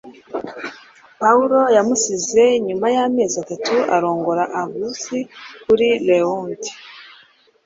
Pawulo yamusize nyuma y'amezi atatu arongora Angus kuri reound